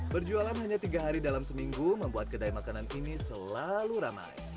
berjualan hanya tiga hari dalam seminggu membuat kedai makanan ini selalu ramai